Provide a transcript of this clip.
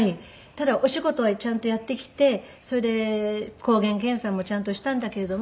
ただお仕事はちゃんとやってきてそれで抗原検査もちゃんとしたんだけれども。